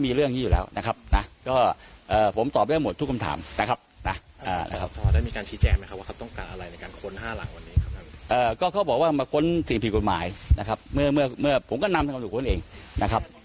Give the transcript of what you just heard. เมืองเมืองเพื่อบังซิหายหน่อยนะครับ